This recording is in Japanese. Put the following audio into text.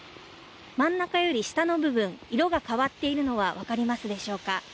真ん中より下の部分色が変わっているのがわかりますでしょうか。